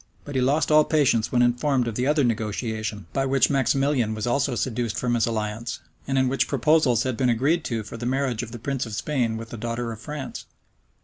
[*] But he lost all patience when informed of the other negotiation, by which Maximilian was also seduced from his alliance, and in which proposals had been agreed to for the marriage of the prince of Spain with the daughter of France.